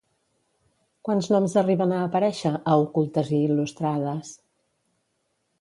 Quants noms arriben a aparèixer a Ocultes i il·lustrades?